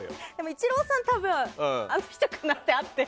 イチローさん多分、あの人かなって。